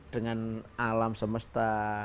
dengan alam semesta